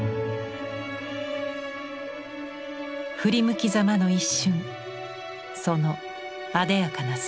振り向きざまの一瞬その艶やかな姿。